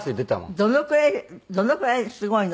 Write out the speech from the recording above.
どのくらいどのくらいすごいの？